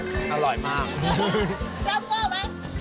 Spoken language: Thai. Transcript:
เสียบมากไหม